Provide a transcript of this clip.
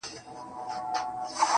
چي تابه وكړې راته ښې خبري_